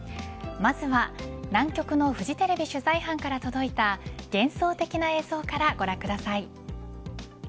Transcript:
まずは南極のフジテレビ取材班から届いた幻想的な映像からご覧ください。